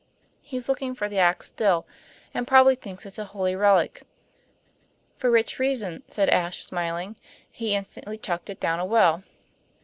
He's looking for the ax still, and probably thinks it a holy relic." "For which reason," said Ashe, smiling, "he instantly chucked it down a well."